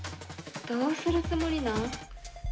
どうするつもりなん？